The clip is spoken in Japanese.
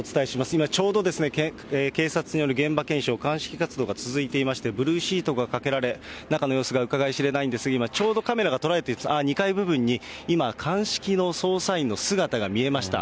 今、ちょうど、警察による現場検証、鑑識活動が続いていまして、ブルーシートがかけられ、中の様子がうかがい知れないんですが、今、ちょうどカメラが捉えている、２階部分に今、鑑識の捜査員の姿が見えました。